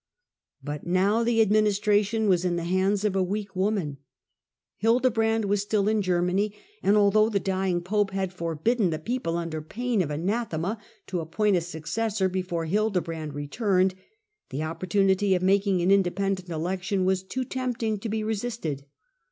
But now the administration was in the hands of a weak woman. Hildebrand was still in Germany ; and Irregular although the dying pope had forbidden the election of « j •^ xi_ x •. Benedict z. pooplc, Under pain 01 anathema, to appoint a successor before Hildebrand returned, the opportunity of making an independent election was too tempting to be resisted.